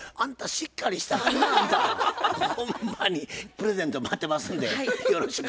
プレゼント待ってますんでよろしく。